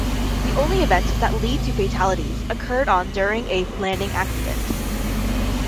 The only event that lead to fatalities occurred on during a landing accident.